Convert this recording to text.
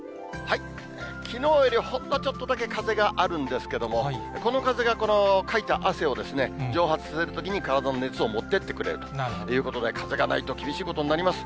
きのうよりほんのちょっとだけ風があるんですけども、この風がこのかいた汗を蒸発させるときに体の熱を持っていってくれるということで、風がないと厳しいことになります。